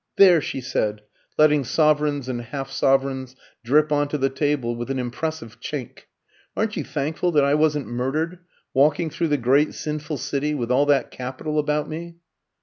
"There!" she said, letting sovereigns and half sovereigns drip on to the table with an impressive chink, "aren't you thankful that I wasn't murdered, walking through the great sinful city with all that capital about me?"